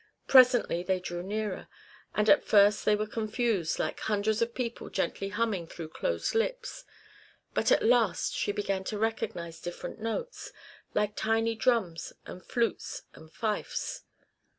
Presently they drew nearer, and at first they were confused, like hundreds of people gently humming through closed lips; but at last she began to recognize different notes, like tiny drums and flutes and fifes.